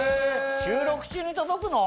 収録中に届くの？